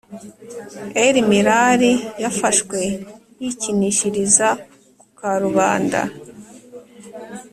El Melali yafashwe yikinishiriza ku karubanda